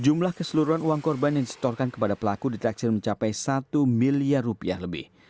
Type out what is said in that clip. jumlah keseluruhan uang korban yang disetorkan kepada pelaku ditaksir mencapai satu miliar rupiah lebih